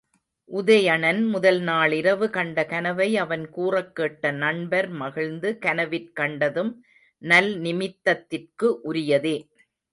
உதயணன் முதல் நாளிரவு கண்ட கனவை அவன் கூறக்கேட்ட நண்பர் மகிழ்ந்து, கனவிற் கண்டதும் நல் நிமித்தத்திற்கு உரியதே.